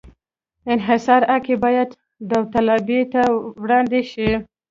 انحصاري حق یې باید داوطلبۍ ته وړاندې شي.